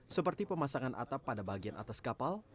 seperti pemasangan atap pada bagian atas kapal